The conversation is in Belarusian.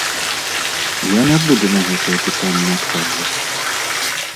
Я не буду на гэтае пытанне адказваць.